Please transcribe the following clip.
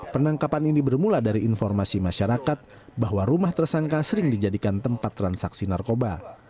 penangkapan ini bermula dari informasi masyarakat bahwa rumah tersangka sering dijadikan tempat transaksi narkoba